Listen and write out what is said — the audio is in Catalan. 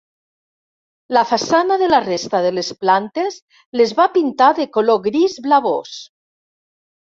La façana de la resta de les plantes les va pintar de color gris blavós.